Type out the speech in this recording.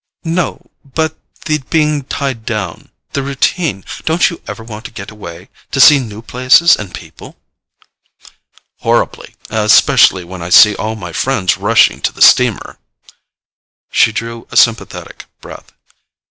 "No; but the being tied down: the routine—don't you ever want to get away, to see new places and people?" "Horribly—especially when I see all my friends rushing to the steamer." She drew a sympathetic breath.